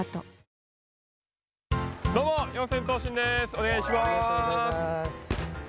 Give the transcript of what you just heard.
お願いします。